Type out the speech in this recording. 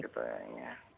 ya begitu ya